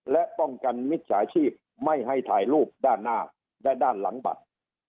และป้องกันมิจฉาชีพไม่ให้ถ่ายรูปด้านหน้าและด้านหลังบัตร